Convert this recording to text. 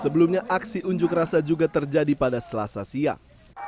sebelumnya aksi unjuk rasa juga terjadi pada selasa siang